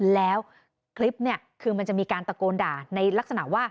แล้วคลิปเนี่ยคือมันจะมีการตะโกนด่าในลักษณะว่า